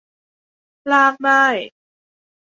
ลากได้